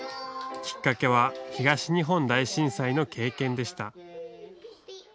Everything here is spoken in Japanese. きっかけは東日本大震災の経験でした。